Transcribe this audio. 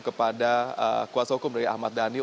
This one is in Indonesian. kepada kuasa hukum dari ahmad dhani